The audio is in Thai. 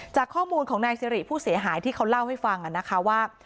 จากข้อมูลของนายสิริผู้เสียหายที่เขาเล่าให้ฟังนะคะว่า